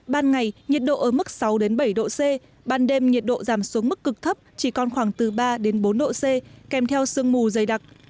ban ngày nhiệt độ ở mức sáu bảy độ c ban đêm nhiệt độ giảm xuống mức cực thấp chỉ còn khoảng từ ba đến bốn độ c kèm theo sương mù dày đặc